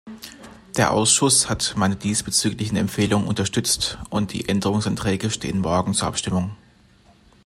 Der Ausschuss hat meine diesbezüglichen Empfehlungen unterstützt, und die Änderungsanträge stehen morgen zur Abstimmung.